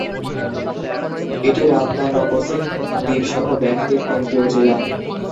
এটি রাত্তানাকোসিন দ্বীপ সহ ব্যাংককের কেন্দ্রীয় জেলা।